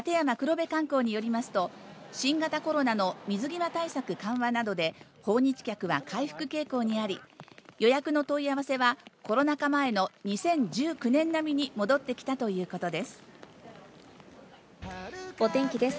新型コロナの水際対策緩和などで訪日客は回復傾向にあり、予約の問い合わせはコロナ禍前の２０１９年並みに戻ってきたといお天気です